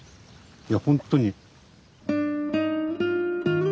いやほんとに。